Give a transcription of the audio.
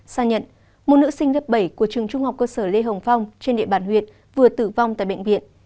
xa nhận một nữ sinh lớp bảy của trường trung học cơ sở lê hồng phong trên địa bàn huyện vừa tử vong tại bệnh viện